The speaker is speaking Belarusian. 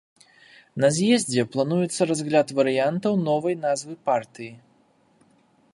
На з'ездзе плануецца разгляд варыянтаў новай назвы партыі.